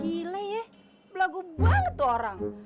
gila ya belagu banget tuh orang